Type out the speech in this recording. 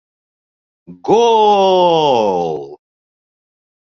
Го-о-л!